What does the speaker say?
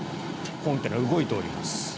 コンテナ、動いております。